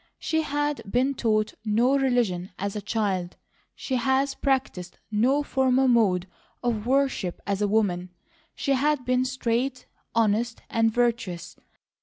She had been taught no religion as a child, she had practised no formal mode of worship as a woman. She had been straight, honest, and virtuous.